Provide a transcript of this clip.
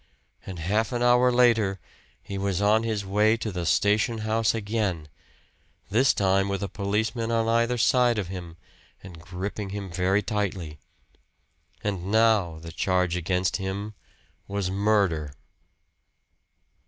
And half an hour later he was on his way to the station house again this time with a policeman on either side of him, and gripping him very tightly. And now the charge against him was murder!